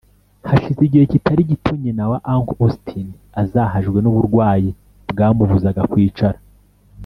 Hashize igihe kitari gito nyina wa Uncle Austin azahajwe n’uburwayi bwamubuzaga kwicara